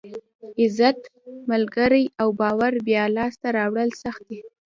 عزت، ملګري او باور بیا لاسته راوړل سخت دي.